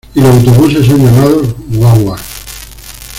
Y los autobuses son llamados "guaguas".